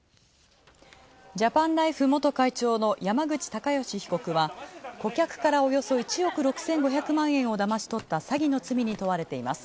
ジャパンライフ元会長の山口隆祥被告は、顧客からおよそ１億６５００万円を騙し取った詐欺の罪に問われています。